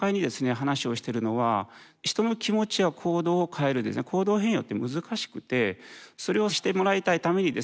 話をしてるのは人の気持ちや行動を変える行動変容って難しくてそれをしてもらいたいためにですね